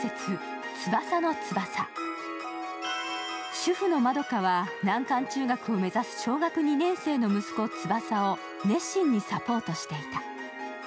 主婦の円佳は難関中学を目指す小学２年生の息子・翼を熱心にサポートしていた。